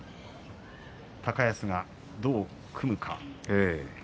高安がどう組むか。